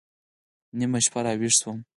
نيمه شپه راويښ سوم.